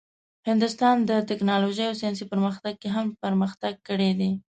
هندوستان د ټیکنالوژۍ او ساینسي پرمختګ کې هم پرمختګ کړی دی.